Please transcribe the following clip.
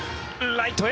ライトへ。